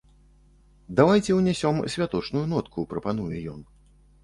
Давайце ўнясём святочную нотку, прапануе ён.